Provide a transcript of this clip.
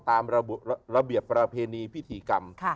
ตามระเบียบประเพณีพิธีกรรม